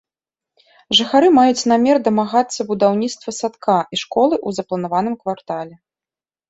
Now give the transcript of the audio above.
Жыхары маюць намер дамагацца будаўніцтва садка і школы ў запланаваным квартале.